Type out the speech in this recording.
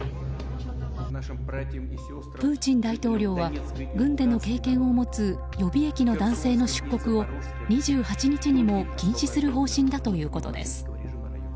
プーチン大統領は軍での経験を持つ予備役の男性の出国を２８日にも禁止する方針だということです。